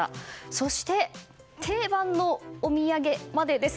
そして、定番のお土産までです。